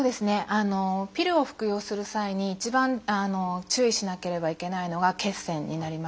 ピルを服用する際に一番注意しなければいけないのが血栓になります。